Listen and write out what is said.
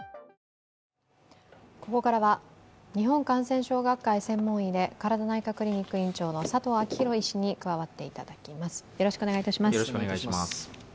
ここからは日本感染症学会専門医でＫＡＲＡＤＡ内科クリニック院長の佐藤昭裕医師に加わっていただきます。